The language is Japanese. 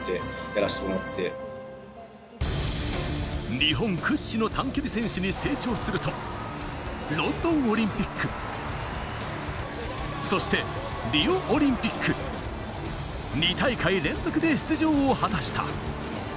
日本屈指の短距離選手に成長するとロンドンオリンピック、そしてリオオリンピック、２大会連続で出場を果たした。